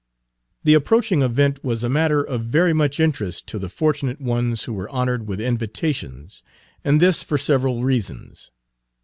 The approaching event was a matter of Page 112 very much interest to the fortunate ones who were honored with invitations, and this for several reasons.